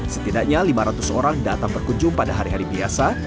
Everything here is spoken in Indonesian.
setidaknya lima ratus orang datang berkunjung pada hari hari biasa